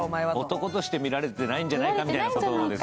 男としてみられてないんじゃないかってところですね。